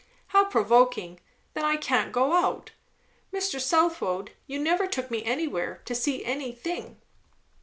"How provoking! then I can't go out. Mr. Southwode, you never took me anywhere, to see anything."